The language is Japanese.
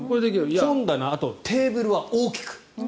本棚あとテーブルは大きく。